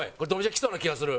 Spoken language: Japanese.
きそうな気がする。